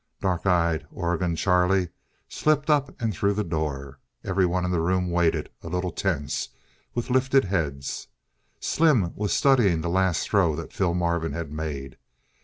Dark eyed Oregon Charlie slipped up and through the door. Everyone in the room waited, a little tense, with lifted heads. Slim was studying the last throw that Phil Marvin had made.